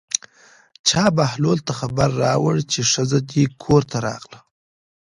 چا بهلول ته خبر راوړ چې ښځه دې کور ته راغله.